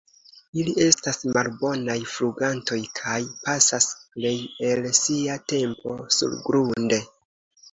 Ili estas malbonaj flugantoj kaj pasas plej el sia tempo surgrunde.